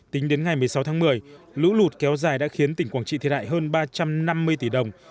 tính đến ngày một mươi sáu tháng một mươi lũ lụt kéo dài đã khiến tỉnh quảng trị thiệt hại hơn ba trăm năm mươi tỷ đồng